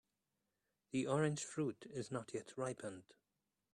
The orange fruit is not yet ripened.